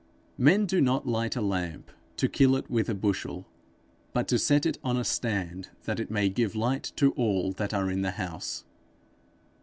Men do not light a lamp to kill it with a bushel, but to set it on a stand, that it may give light to all that are in the house.